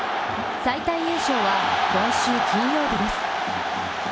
最短優勝は今週金曜日です。